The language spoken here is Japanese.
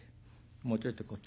もうちょいとこっち